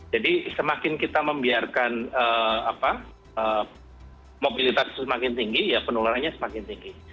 jadi semakin kita membiarkan mobilitas semakin tinggi penularannya semakin tinggi